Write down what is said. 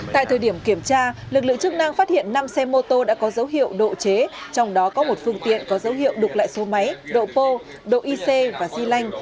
tại thời điểm kiểm tra lực lượng chức năng phát hiện năm xe mô tô đã có dấu hiệu độ chế trong đó có một phương tiện có dấu hiệu đục lại số máy độ pô độ ic và di lanh